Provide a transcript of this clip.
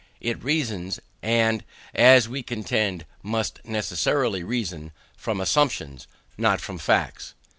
It reasons, and, as we contend, must necessarily reason, from assumptions, not from facts.